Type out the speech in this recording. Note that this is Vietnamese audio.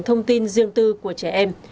thông tin riêng tư của trẻ em